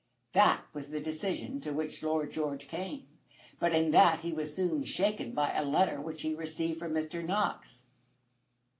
That was the decision to which Lord George came, but in that he was soon shaken by a letter which he received from Mr. Knox.